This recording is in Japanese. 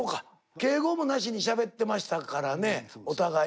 敬語もなしにしゃべってましたからねお互い。